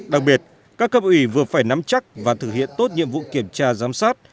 đặc biệt các cấp ủy vừa phải nắm chắc và thực hiện tốt nhiệm vụ kiểm tra giám sát